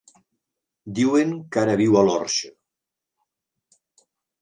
Diuen que ara viu a l'Orxa.